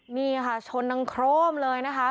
นี่ค่ะชนดังโครมเลยนะคะ